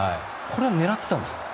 これは狙ってたんですか？